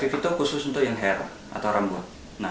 itu khusus untuk yang hair atau rambut